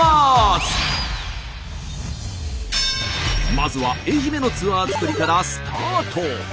まずは愛媛のツアー作りからスタート！